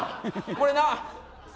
これな。